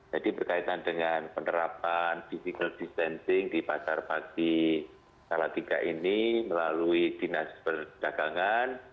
jadi berkaitan dengan penerapan physical distancing di pasar pagi salatiga ini melalui dinas perdagangan